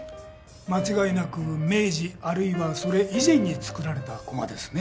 間違いなく明治あるいはそれ以前に作られた駒ですね。